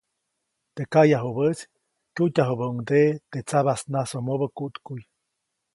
Teʼ kayajubäʼis kyujtyajubäʼuŋdeʼe teʼ tsabasnasomobä kuʼtkuʼy.